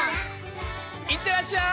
いってらっしゃい！